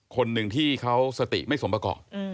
คนหนึ่งที่เขาสติไม่สมประกอบ